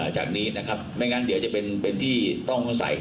จากนี้นะครับไม่งั้นเดี๋ยวจะเป็นที่ต้องสงสัย